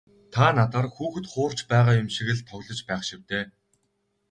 Та надаар хүүхэд хуурч байгаа юм шиг л тоглож байх шив дээ.